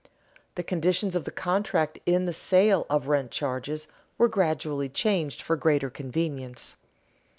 _ The conditions of the contract in the sale of rent charges were gradually changed for greater convenience.